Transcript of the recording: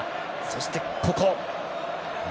そして、ここ。